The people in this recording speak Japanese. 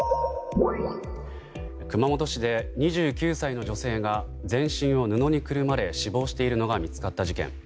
熊本市で２９歳の女性が全身を布にくるまれ死亡しているのが見つかった事件。